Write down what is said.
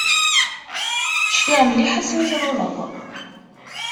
Cfiɣ mliḥ asmi tluleḍ.